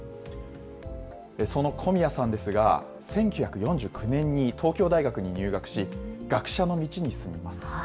その小宮さんですが、１９４９年に東京大学に入学し、学者の道に進みます。